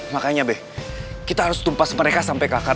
wah kerejanya kosong banget berakhir